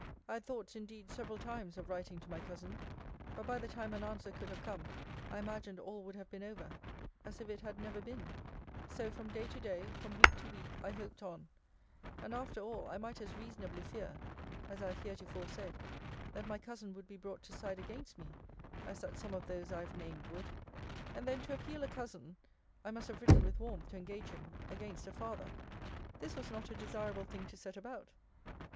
I had thoughts indeed several times of writing to my cousin: but by the time an answer could have come, I imagined all would have been over, as if it had never been: so from day to day, from week to week, I hoped on: and, after all, I might as reasonably fear (as I have heretofore said) that my cousin would be brought to side against me, as that some of those I have named would. And then to appeal a cousin [I must have written with warmth to engage him] against a father; this was not a desirable thing to set about.